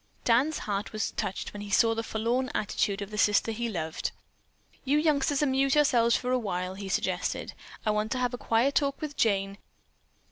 Dan's heart was touched when he saw the forlorn attitude of the sister he so loved. "You youngsters amuse yourselves for a while," he suggested, "I want to have a quiet talk with Jane."